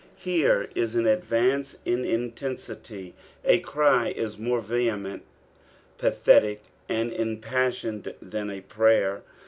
Here is an advance in intensity : A erf is more vehement, pathetic, and impassioned, than a prayer.